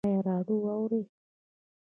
ایا راډیو اورئ؟